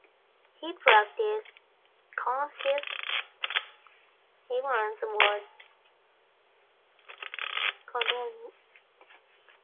Her practice consists predominantly of sculptural installations and book works.